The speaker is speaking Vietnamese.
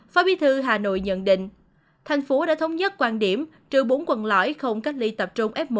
phó bí thư hà nội nhận định thành phố đã thống nhất quan điểm trừ bốn quận lõi không cách ly tập trung f một